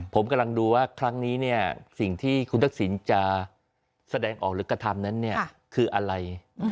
ผมกำลังดูว่าครั้งนี้เนี่ยสิ่งที่คุณทักษิณจะแสดงออกหรือกระทำนั้นคืออะไร